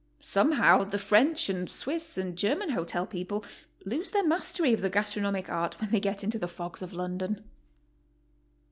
Somehow the French and Swiss and Ger man hotel people lose their mastery of the gastronomic art when they get into the fogs of London.